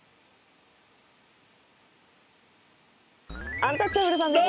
アンタッチャブルさんです。